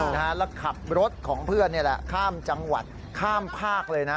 แล้วขับรถของเพื่อนนี่แหละข้ามจังหวัดข้ามภาคเลยนะ